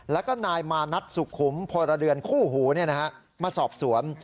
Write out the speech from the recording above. แล้วก็นายมานัดสุขุมโพระเดือนคู่หูเนี่ยนะฮะมาสอบสวน